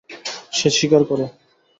সে শিকার করে।